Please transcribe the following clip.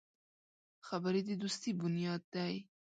خبرې د دوستي بنیاد دی